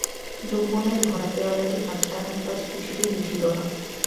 যৌবনের ভরা পেয়ালাটি আজ তাহার কাছে কিছুতেই রুচিল না।